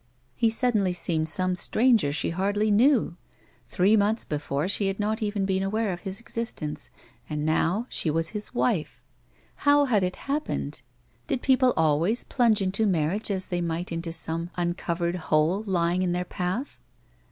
He suddenly seemed some stranger she hardly knew. Three months before she had not even been aware of his existence, and now she was his wife. How had it happened 1 Did people always plunge into marriage as they might into some uncovered hole lying in their path